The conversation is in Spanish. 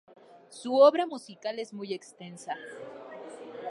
Su obra musical es muy extensa.